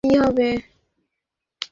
আমি বিলাপ করলে কী হবে?